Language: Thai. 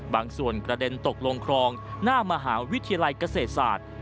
บางส่วนกระเด็นตกลงคลองหน้ามหาวิทยาลัยเกษตรศาสตร์